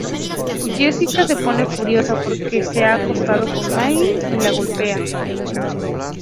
Jessica se pone furiosa porque se ha acostado con Maggie y lo golpea.